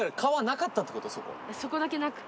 そこだけなくて。